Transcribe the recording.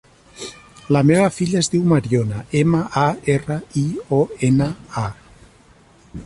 La meva filla es diu Mariona: ema, a, erra, i, o, ena, a.